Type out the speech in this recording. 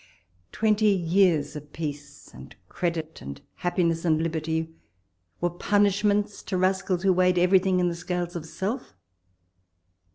twenty years of peace, and credit, and happi ness, and liberty, were punishments to rascals who weighed everything in the scales of self